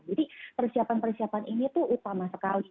jadi persiapan persiapan ini tuh utama sekali